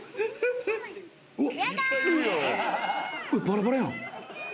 バラバラやん！